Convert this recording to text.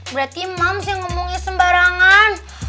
berarti mams yang ngomongnya sembarangan